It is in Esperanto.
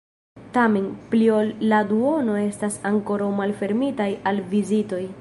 Tamen, pli ol la duono estas ankoraŭ malfermitaj al vizitoj.